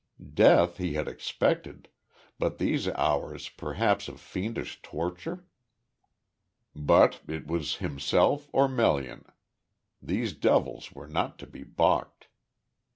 Death he had expected, but these hours perhaps of fiendish torture? But it was himself or Melian. These devils were not to be balked.